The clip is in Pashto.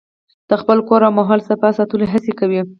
د خپل کور او ماحول صفا ساتلو هڅې کوي.